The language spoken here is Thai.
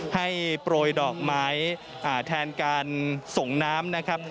ให้โปรยดอกไม้แทนการส่งน้ำ